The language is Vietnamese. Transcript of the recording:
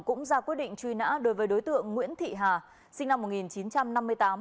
cũng ra quyết định truy nã đối với đối tượng nguyễn thị hà sinh năm một nghìn chín trăm năm mươi tám